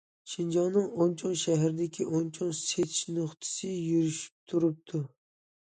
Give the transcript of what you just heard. شىنجاڭنىڭ ئون چوڭ شەھىرىدىكى ئون چوڭ سېتىش نۇقتىسى يۈرۈشۈپ تۇرۇپتۇ.